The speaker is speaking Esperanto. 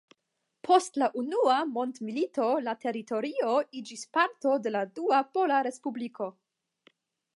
Post la Unua Mondmilito la teritorio iĝis parto de la Dua Pola Respubliko.